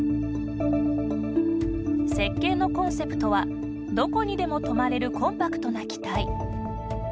設計のコンセプトは、どこにでも止まれるコンパクトな機体。